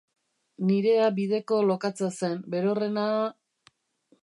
Nirea bideko lokatza zen, berorrena...